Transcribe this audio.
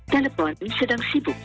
telepon sedang sibuk